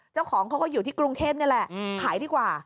เจ้าของเขาก็อยู่ที่กรุงเทพนี่แหละขายดีกว่า